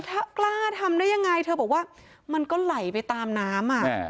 ถ้ากล้าทำได้ยังไงเธอบอกว่ามันก็ไหลไปตามน้ำอ่ะ